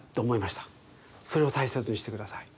それを大切にしてください。